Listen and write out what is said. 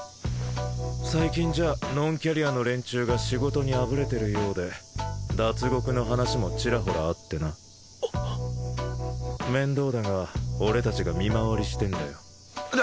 最近じゃノンキャリアの連中が仕事にあぶれてるようで脱獄の話もちらほらあってな面倒だが俺達が見回りしてんだよだ